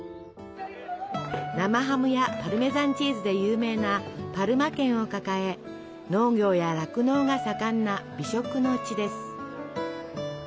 生ハムやパルメザンチーズで有名なパルマ県を抱え農業や酪農が盛んな美食の地です。